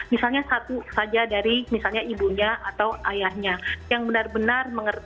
misalnya satu saja dari misalnya ibunya atau anaknya yang belum bisa mandiri ya